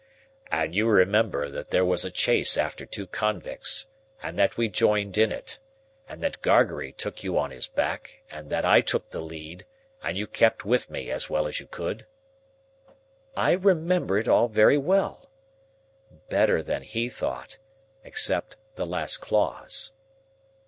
"And you remember that there was a chase after two convicts, and that we joined in it, and that Gargery took you on his back, and that I took the lead, and you kept up with me as well as you could?" "I remember it all very well." Better than he thought,—except the last clause.